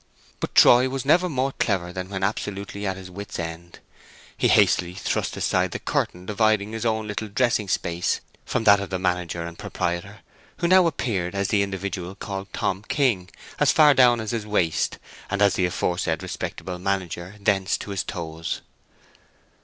But Troy was never more clever than when absolutely at his wit's end. He hastily thrust aside the curtain dividing his own little dressing space from that of the manager and proprietor, who now appeared as the individual called Tom King as far down as his waist, and as the aforesaid respectable manager thence to his toes.